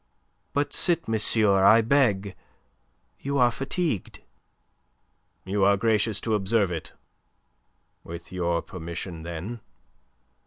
"But sit, monsieur, I beg. You are fatigued." "You are gracious to observe it. With your permission, then."